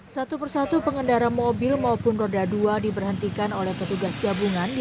satu persatu pengendara mobil maupun roda dua diberhentikan oleh petugas gabungan di